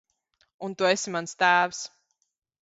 Un tu esi mans tēvs.